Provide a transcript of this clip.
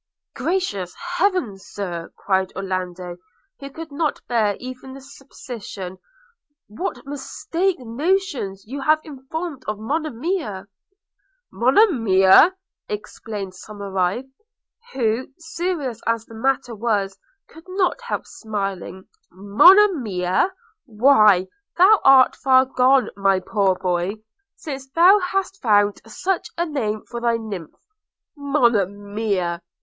'Gracious Heaven, Sir!' cried Orlando, who could not bear even the supposition, 'what mistaken notions you have formed of Monimia!' 'Monimia!' exclaimed Somerive, who, serious as the matter was, could not help smiling: – 'Monima! – why thou art far gone, my poor boy, since thou hast found such a name for thy nymph – Monimia!